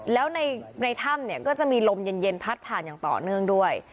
แล้วในถ้ำเนี่ยก็จะมีลมเย็นพัดผ่านอย่างต่อเนื่องด้วย